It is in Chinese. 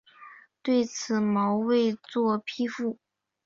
对此毛未作批复。